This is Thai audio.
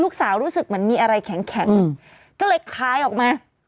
รู้สึกเหมือนมีอะไรแข็งก็เลยคล้ายออกมา